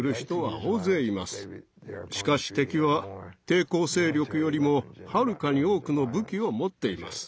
しかし敵は抵抗勢力よりもはるかに多くの武器を持っています。